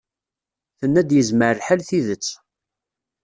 Tenna-d yezmer lḥal tidet.